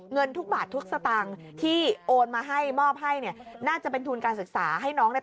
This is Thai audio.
เงินทุกบาททุกสตางค์ที่โอนมาให้มอบให้เนี่ยน่าจะเป็นทุนการศึกษาให้น้องเนี่ย